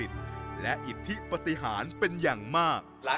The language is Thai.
พระพุทธพิบูรณ์ท่านาภิรม